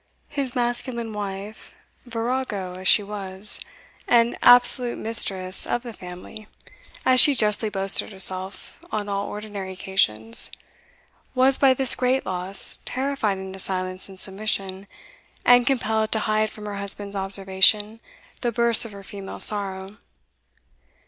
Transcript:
His masculine wife, virago as she was, and absolute mistress of the family, as she justly boasted herself, on all ordinary occasions, was, by this great loss, terrified into silence and submission, and compelled to hide from her husband's observation the bursts of her female sorrow.